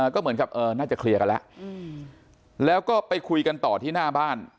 ก็เหมือนกับน่าจะเคลียร์กันแล้วแล้วก็ไปคุยกันต่อที่หน้าบ้าน